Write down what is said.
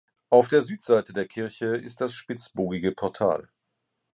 Auf der Südseite der Kirche ist das spitzbogige Portal.